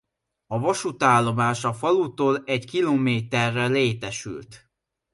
A vasútállomás a falutól egy kilométerre létesült.